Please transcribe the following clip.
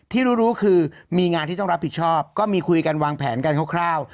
ที่รู้คือมีงานที่ต้องรับผิดชอบก็มีคุยกันวางแผนกันคร่าว